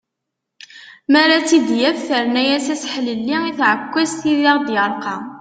Mi ara tt-id-yaf terna-yas aseḥlelli i tεekkazt i d aɣ-yerqa.